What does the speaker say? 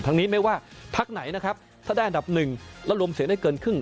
นี้ไม่ว่าพักไหนนะครับถ้าได้อันดับหนึ่งแล้วรวมเสียงได้เกินครึ่ง